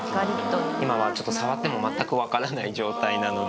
今はちょっと、触っても全く分からない状態なので。